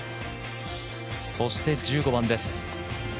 そして１５番です。